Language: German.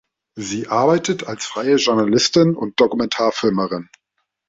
Sie arbeitet als freie Journalistin und Dokumentarfilmerin.